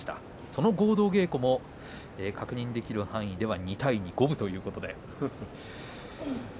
その合同稽古も確認できる範囲では２対２の五分ということです。